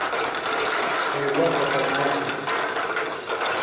ہیضہ خطرناک شئی۔